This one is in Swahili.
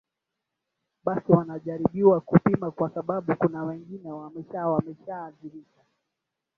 basi wanajaribiwa kupima kwa sababu kuna wengine wamesha wameshaadhirika